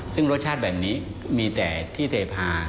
ซึ่งรสชาติแบบนี้มีแต่ที่เทพา